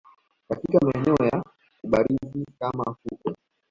katika maeneo ya kubarizi kama fukwe